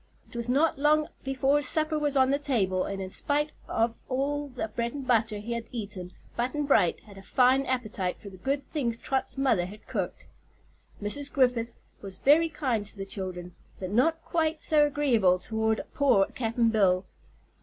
It was not long before supper was on the table and in spite of all the bread and butter he had eaten Button Bright had a fine appetite for the good things Trot's mother had cooked. Mrs. Griffith was very kind to the children, but not quite so agreeable toward poor Cap'n Bill.